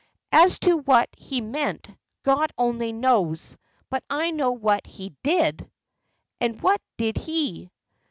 "As to what he meant, God only knows; but I know what he did." "And what did he?"